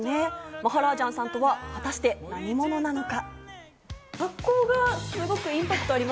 マハラージャンさんとは果たして何者なのか。